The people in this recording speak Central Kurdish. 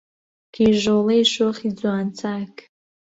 کیژۆڵەی شۆخی جوان چاک